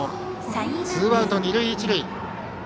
ツーアウト二塁一塁。